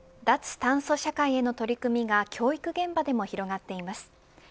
脱炭素社会への取り組みが教育現場でも広がっています。